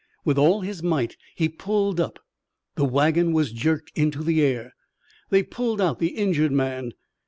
With all his might he pulled up. The wagon was jerked into the air. They pulled out the injured man.